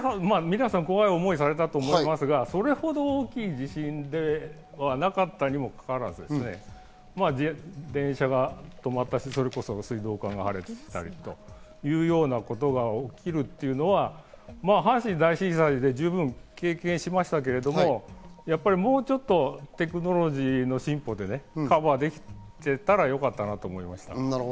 皆さん、怖い思いをされたと思いますが、それほど大きい地震ではなかったにもかかわらず、電車が止まったり、水道管が破裂したりというようなことが起きるというのは阪神大震災で十分経験しましたけれども、もうちょっとテクノロジーの進歩で、カバーできてたらよかったなと思いました。